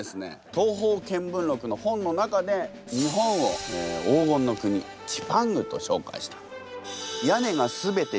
「東方見聞録」の本の中で日本を黄金の国チパングと紹介した。